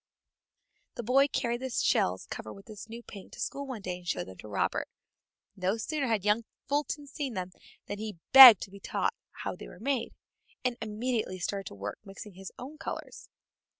This boy carried the shells covered with his new paint to school one day and showed them to Robert. No sooner had young Fulton seen them than he begged to be taught how they were made, and immediately started to work mixing his own colors.